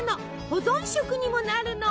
保存食にもなるの。